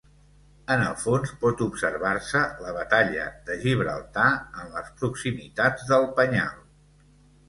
En el fons pot observar-se la batalla de Gibraltar en les proximitats del Penyal.